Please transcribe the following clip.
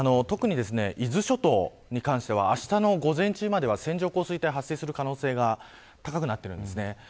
特に伊豆諸島に関しては、あしたの午前中までは線状降水帯が発生する可能性が高くなっているんですね。